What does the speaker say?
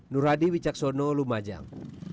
nur hadi wijaksono lumajang